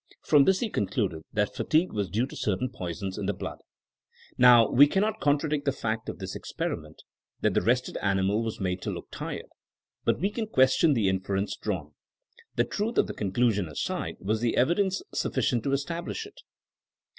From this he concluded that fatigue was due to certain poisons in the blood. Now we cannot contradict the fact of this ex 168 THINEINO A8 A SOIENOE periment: that the rested animal was made to look tired. But we can question the inference drawn. The truth of the conclusion aside, was the evidence suflScient to establish it?